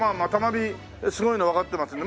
美すごいのはわかってますんで。